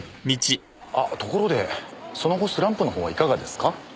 ところでその後スランプの方はいかがですか？